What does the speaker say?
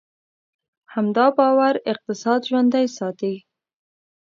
همدا باور اقتصاد ژوندی ساتي.